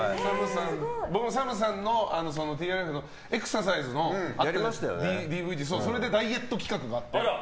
僕もＳＡＭさんの、ＴＲＦのエクササイズのＤＶＤそれで大ヒット企画があって。